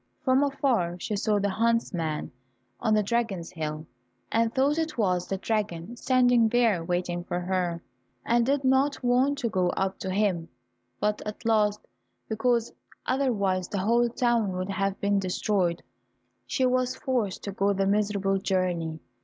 From afar she saw the huntsman on the dragon's hill, and thought it was the dragon standing there waiting for her, and did not want to go up to him, but at last, because otherwise the whole town would have been destroyed, she was forced to go the miserable journey.